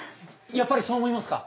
やっぱりそう思いますか？